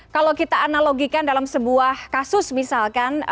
kalau kita analogikan dalam sebuah kasus misalkan